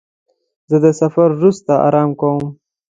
زه د سفر وروسته آرام کوم.